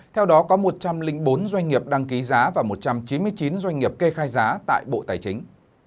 theo đó có một trăm linh bốn doanh nghiệp đăng ký giá và một trăm chín mươi chín doanh nghiệp kê khai giá tại bộ tài chính